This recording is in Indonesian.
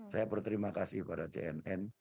saya berterima kasih kepada cnn